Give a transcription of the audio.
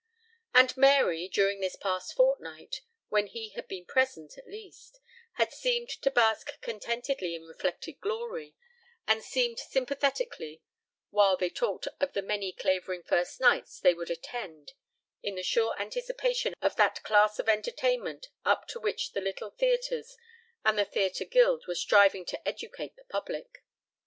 And Mary, during this past fortnight (when he had been present, at least) had seemed to bask contentedly in reflected glory, and smiled sympathetically while they talked of the many Clavering first nights they would attend in the sure anticipation of that class of entertainment up to which the Little Theatres and the Theatre Guild were striving to educate the public.